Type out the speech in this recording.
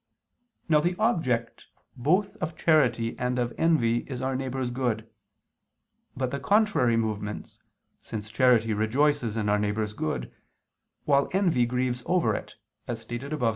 Now the object both of charity and of envy is our neighbor's good, but by contrary movements, since charity rejoices in our neighbor's good, while envy grieves over it, as stated above (A.